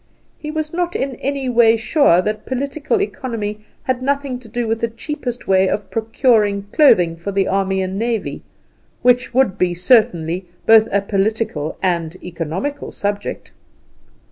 He was not in any way sure that Political Economy had nothing to do with the cheapest way of procuring clothing for the army and navy, which would be certainly both a political and economical subject.